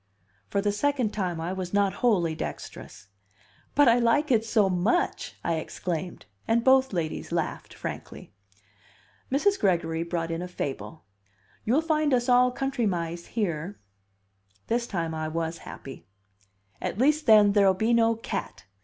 For the second time I was not wholly dexterous. "But I like it so much!" I exclaimed; and both ladies laughed frankly. Mrs. Gregory brought in a fable. "You'll find us all 'country mice' here." This time I was happy. "At least, then, there'll be no cat!"